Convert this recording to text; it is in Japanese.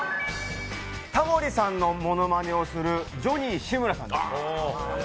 タモリさんのものまねをするジョニー志村さんです。